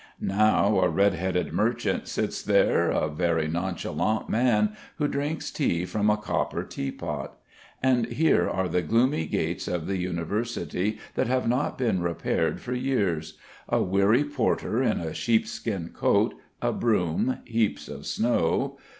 Now a red headed merchant sits there, a very nonchalant man, who drinks tea from a copper tea pot. And here are the gloomy gates of the University that have not been repaired for years; a weary porter in a sheepskin coat, a broom, heaps of snow